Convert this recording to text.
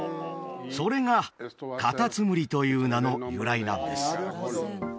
それがカタツムリという名の由来なんです